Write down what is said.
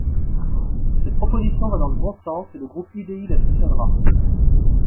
Cette proposition va dans le bon sens et le groupe UDI la soutiendra.